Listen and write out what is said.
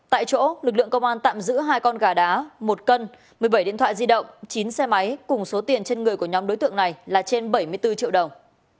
tại chỗ lực lượng công an tạm giữ hai con gà đá một cân một mươi bảy điện thoại di động chín xe máy cùng số tiền trên người của nhóm đối tượng này là trên bảy mươi bốn triệu đồng